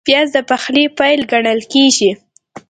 پیاز د پخلي پیل ګڼل کېږي